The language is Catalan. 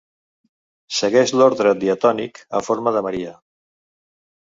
Segueix l’ordre diatònic en forma de Maria.